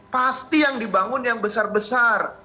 pasti yang dibangun yang besar besar